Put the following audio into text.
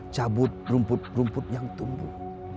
cabut rumput rumput yang tumbuh